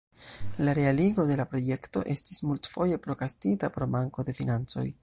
La realigo de la projekto estis multfoje prokrastita pro manko de financoj.